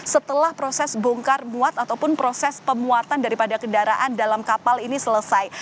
setelah proses bongkar muat ataupun proses pemuatan daripada kendaraan dalam kapal ini selesai